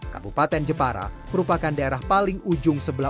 kabupaten jepara merupakan daerah paling ujung jawa tengah